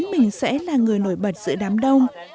mình sẽ là người nổi bật giữa đám đông